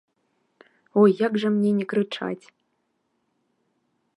Ой, як жа мне не крычаць?